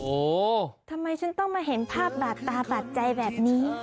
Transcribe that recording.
โอ้โหทำไมฉันต้องมาเห็นภาพบาดตาบาดใจแบบนี้